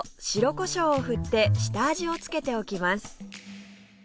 白こしょうを振って下味をつけておきます